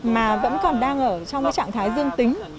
mà vẫn còn đang ở trong trạng thái dưng